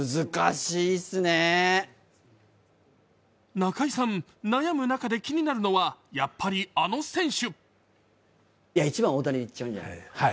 中居さん、悩む中で気になるのはやっぱりあの選手。